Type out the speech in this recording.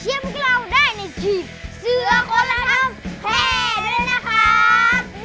เชียบกับเราได้ในคลิปเสือกละน้ำแพร่ด้วยนะครับ